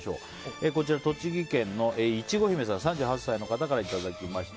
栃木県の３８歳の方からいただきました。